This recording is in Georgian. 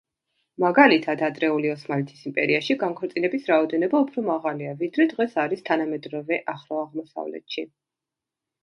მაგალითად ადრეული ოსმალეთის იმპერიაში განქორწინების რაოდენობა უფრო მაღალია ვიდრე დღეს არის თანამედროვე ახლო აღმოსავლეთში.